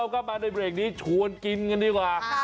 เราก็มาในเวลงนี้ชวนกินกันดีกว่า